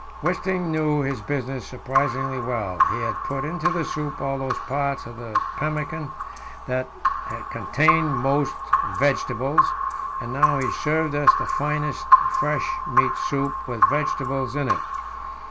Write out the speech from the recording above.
Wisting knew his business surprisingly well; he had put into the soup all those parts of the pemmican that contained most vegetables, and now he served us the finest fresh meat soup with vegetables in it.